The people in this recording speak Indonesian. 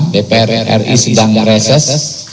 dpr ri sedang reses